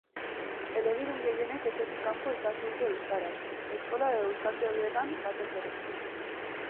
Elebidun gehienek etxetik kanpo ikasi dute euskaraz, eskola edo euskaltegian batez ere.